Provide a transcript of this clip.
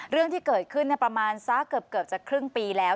เรื่องที่เกิดขึ้นประมาณสักเกือบจะครึ่งปีแล้ว